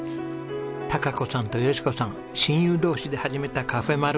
貴子さんと佳子さん親友同士で始めた「カフェまる。」。